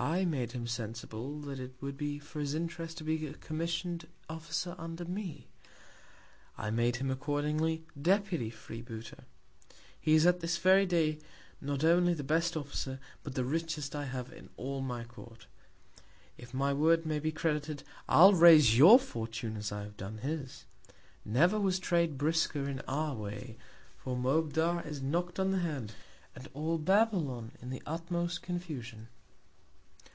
I made him sensible, that it would be for his Interest to be a commission'd Officer under me; I made him accordingly Deputy Free booter. He is at this very Day not only the best Officer, but the richest I have in all my Court. If my Word may be credited, I'll raise your Fortune as I have done his. Never was Trade brisker in our Way; for Moabdar, is knock'd on the Head, and all Babylon in the utmost Confusion.